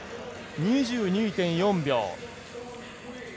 ２２．４秒。